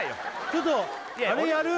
ちょっとあれやる？